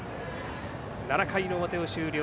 ７回の表を終了。